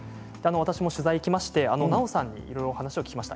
私も取材に行って菜緒さんに、いろいろ聞きました。